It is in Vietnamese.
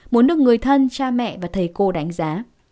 muốn được người thân cha mẹ và thầy cô đánh giá